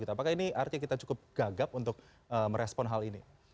apakah ini artinya kita cukup gagap untuk merespon hal ini